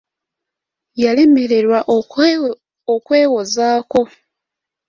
Yalemererwa okwewozaako.